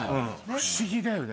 不思議だよね。